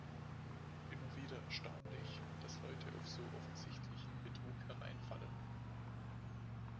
Immer wieder erstaunlich, dass Leute auf so offensichtlichen Betrug hereinfallen!